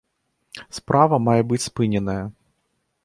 Справа мае быць спыненая.